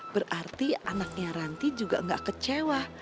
berarti anaknya ranti juga nggak kecewa